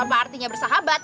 apa artinya bersahabat